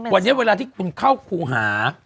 วันนี้เวลาที่คุณเข้าครูหา